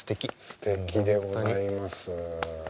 すてきでございます。